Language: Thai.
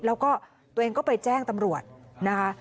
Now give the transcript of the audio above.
แล้วก็ตัวเองก็ไปแจ้งตำรวจนะคะ